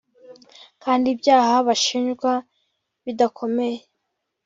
kandi ibyaha bashinjwa bidakomeye